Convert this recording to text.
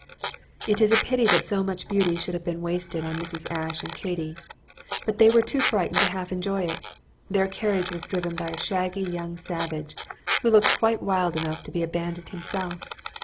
It is a pity that so much beauty should have been wasted on Mrs. Ashe and Katy, but they were too frightened to half enjoy it. Their carriage was driven by a shaggy young savage, who looked quite wild enough to be a bandit himself.